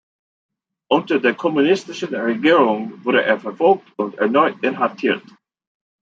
Unter der kommunistischen Regierung wurde er verfolgt und erneut inhaftiert.